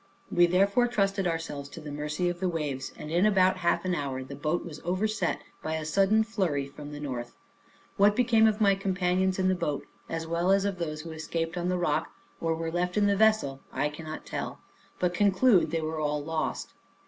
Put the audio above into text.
We therefore trusted ourselves to the mercy of the waves, and in about half an hour the boat was overset by a sudden flurry from the north. What became of my companions in the boat, as well as of those who escaped on the rock, or were left in the vessel, I cannot tell; but conclude they were all lost.